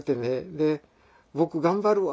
で「僕頑張るわ」